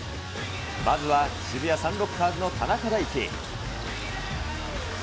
まずは渋谷サンロッカーズの田中大貴。